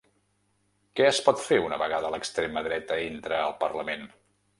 Què es pot fer una vegada l’extrema dreta entra al parlament?